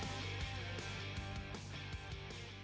โปรดติดตามตอนต่อไป